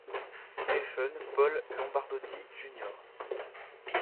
Stephen Paul Lombardozzi, Jr.